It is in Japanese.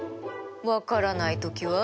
分からない時は？